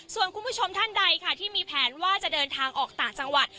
ส่วนคุณผู้ชมท่านใดค่ะที่มีแผนว่าจะเดินทางออกต่างจังหวัด